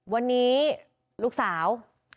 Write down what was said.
วันนี้ลูกสาว